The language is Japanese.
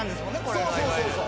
そうそうそうそう。